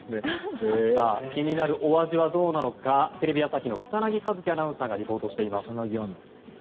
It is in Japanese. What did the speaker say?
気になるお味はどうなのかテレビ朝日の草薙和輝アナウンサーがリポートしています。